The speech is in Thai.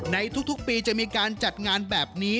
ในทุกปีจะมีการจัดงานแบบนี้